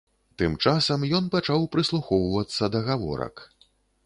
Тым часам ён пачаў прыслухоўвацца да гаворак.